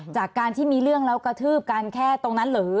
จากการที่มีเรื่องแล้วกระทืบกันแค่ตรงนั้นหรือ